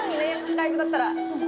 ライブだったら。え！